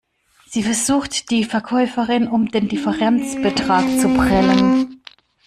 Sie versucht, die Verkäuferin um den Differenzbetrag zu prellen.